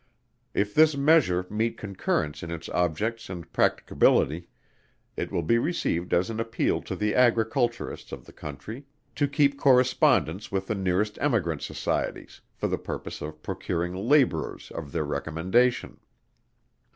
If this measure meet concurrence in its objects and practicability, it will be received as an appeal to the Agriculturists of the Country to keep correspondence with the nearest Emigrant Societies, for the purpose of procuring Labourers of their recommendation.